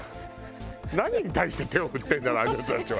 何に対して手を振ってるんだろうああいう人たちは。